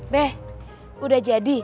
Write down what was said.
beh udah jadi